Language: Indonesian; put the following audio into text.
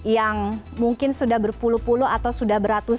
yang mungkin sudah berpuluh puluh atau sudah beratus